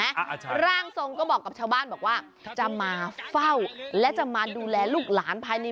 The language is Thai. อาจารย์ร่างทรงก็บอกกับชาวบ้านบอกว่าจะมาเฝ้าและจะมาดูแลลูกหลานภายใน